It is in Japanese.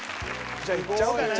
じゃあいっちゃおうかな。